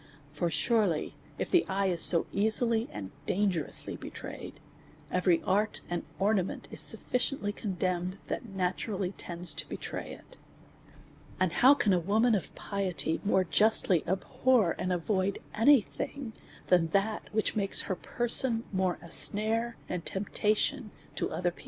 For sure ly, if the eye is so easily and dangerously betrayed, every art and ornament is sufficiently condemned, that naturally tends to betray it. And how can a woman of piety more justly abhor and avoid any thing, than that which makes her per son more a snare and temptation to other people